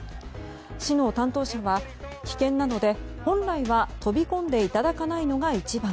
市の担当者は危険なので本来は飛び込んでいただかないのが一番。